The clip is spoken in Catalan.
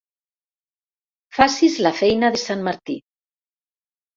Facis la feina de sant Martí.